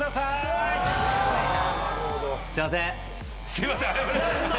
「すみません」